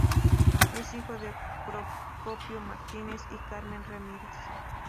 Es hijo de Procopio Martínez y Carmen Ramírez.